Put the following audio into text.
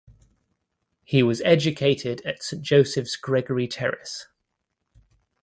He was educated at St Joseph’s Gregory Terrace.